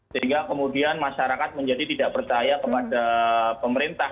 sehingga kemudian masyarakat menjadi tidak percaya kepada pemerintah